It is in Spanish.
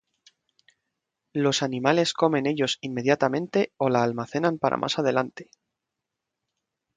Los animales comen ellos inmediatamente o la almacenan para más adelante.